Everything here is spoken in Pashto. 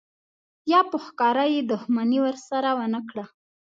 یا په ښکاره یې دښمني ورسره ونه کړه.